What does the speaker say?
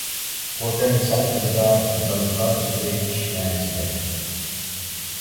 خوتەن ساك تىلىدا «داندا» سۆزى چىش مەنىسىدە.